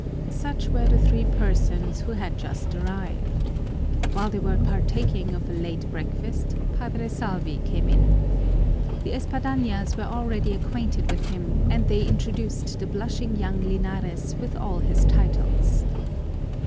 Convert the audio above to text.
Such were the three persons who had just arrived. While they were partaking of a late breakfast, Padre Salvi came in. The Espadañas were already acquainted with him, and they introduced the blushing young Linares with all his titles.